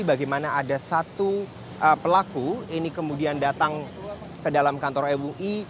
bagaimana ada satu pelaku ini kemudian datang ke dalam kantor mui